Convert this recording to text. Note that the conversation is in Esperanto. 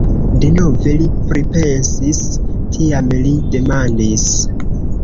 Denove li pripensis, tiam li demandis: